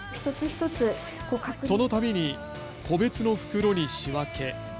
そのたびに個別の袋に仕分け。